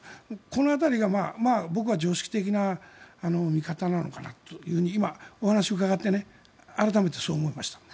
この辺りが僕は常識的な見方なのかなと今、お話を伺って改めてそう思いました。